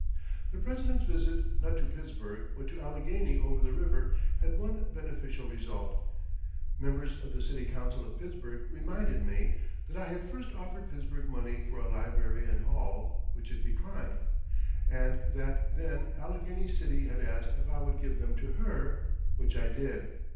The President's visit, not to Pittsburgh, but to Allegheny over the river, had one beneficial result. Members of the City Council of Pittsburgh reminded me that I had first offered Pittsburgh money for a library and hall, which it declined, and that then Allegheny City had asked if I would give them to her, which I did.